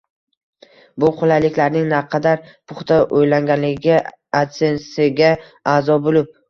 bu qulayliklarning naqadar puxta o’ylanganligiga adsensega a’zo bo’lib